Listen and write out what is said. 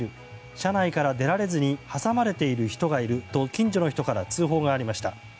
車内から出られずに挟まれている人がいると近所の人から通報がありました。